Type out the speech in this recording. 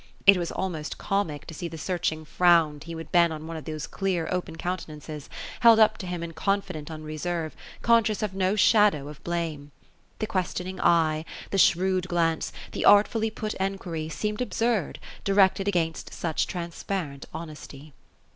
It was almost comic to see the searching frown he would bend on one of those clear, open countenances held up to him in confident unreserve, conscious of no shadow of blame. The questioning eye, the shrewd glance, the artfully put enquiry, seemed absurd, directed against such transparent honesty.